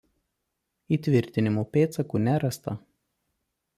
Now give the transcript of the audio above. Įtvirtinimų pėdsakų nerasta.